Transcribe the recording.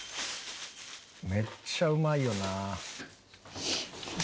めっちゃうまいよな。